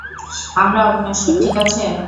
আমরা অবিনশ্বর, ঠিক আছে?